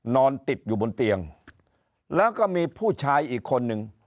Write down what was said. นอนติดอยู่บนเตียงแล้วก็มีผู้ชายอีกคนนึง